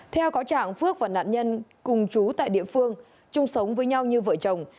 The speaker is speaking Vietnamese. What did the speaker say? theo có trạng phước và nạn nhân cùng chú tại địa phương chung sống với nhau như vợ chồng